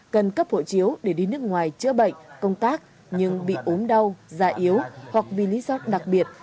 cần cấp hộ chiếu để đi nước ngoài chữa bệnh công tác nhưng bị ốm đau da yếu hoặc vì lý do đặc biệt